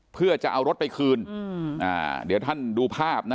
เพื่อจะเอารถไปคืนอืมอ่าเดี๋ยวท่านดูภาพนะ